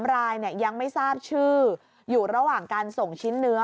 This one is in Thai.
รายยังไม่ทราบชื่ออยู่ระหว่างการส่งชิ้นเนื้อ